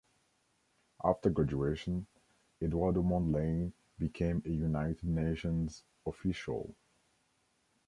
After graduation, Eduardo Mondlane became a United Nations official.